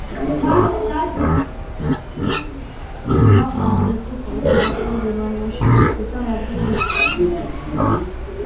მას აგრეთვე ჰქონდა წარმატება გერმანიაში, მესამე ადგილის სახით.